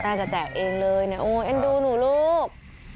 แจกจะแจกเองเลยนะโอ๊ยเอ็นดูหนูลูก